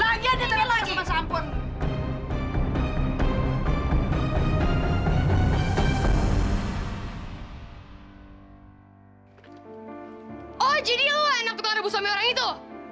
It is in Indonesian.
oh jadi lu enak ketawa dengan ibu suami orang itu